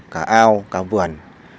cả ao cả vườn